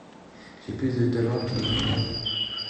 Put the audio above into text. J’ai plus de talent qu’il n’en a...